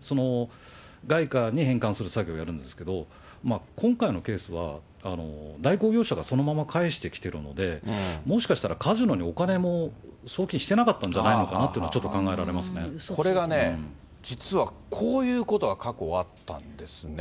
その外貨に返還する作業をやるんですけど、今回のケースは代行業者がそのまま返してきてるので、もしかしたらカジノにお金も送金してなかったんじゃないのかなと、これがね、実はこういうことが過去あったんですね。